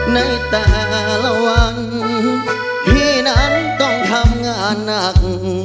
ในแต่ละวันพี่นั้นต้องทำงานหนัก